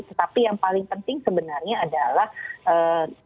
tetapi yang paling penting sebenarnya adalah kita juga harus mencari penyelesaian